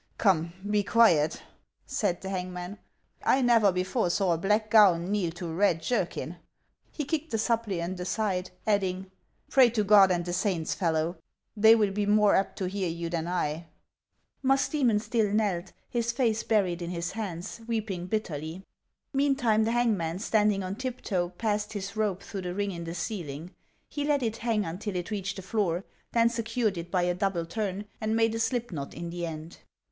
" Come, be quiet !" said the hangman. " I never before saw a black gown kneel to a red jerkin." He kicked the suppliant aside, adding :" Pray to God and the saints, fellow ; they will be more apt to hear you than 1." Musdcemon. still knelt, his face buried in his hands, weeping bitterly. Meantime, the hangman, standing on tiptoe, passed his rope through the ring in the ceiling ; he let it hang until 512 HANS OF ICELAND. it reached the floor, then secured it by a double turn, and made a slip knot in the end.